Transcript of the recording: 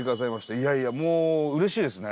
いやいや、うれしいですね。